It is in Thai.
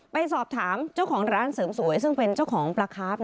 ไปสอบถามเจ้าของร้านเสริมสวยซึ่งเป็นเจ้าของปลาคาร์ฟ